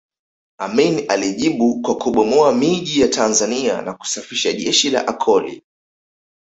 Amin alijibu kwa kubomoa miji ya Tanzania na kusafisha jeshi la Akoli